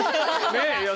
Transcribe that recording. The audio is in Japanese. ねえ。